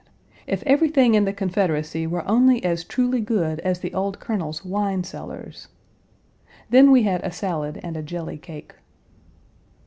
If everything in the Confederacy were only as truly good as the old Colonel's wine cellars! Then we had a salad and a jelly cake.